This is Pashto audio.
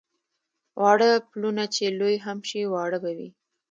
واړه پلونه چې لوی هم شي واړه به وي.